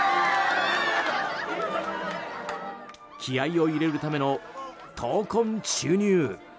気合を入れるための闘魂注入。